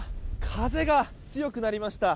風が強くなりました。